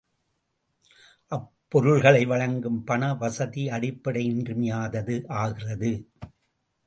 அப்பொருள்களை வழங்கும் பண வசதி, அடிப்படை இன்றியமையாதது ஆகிறது.